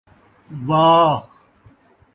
و